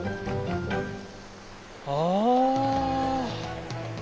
ああ！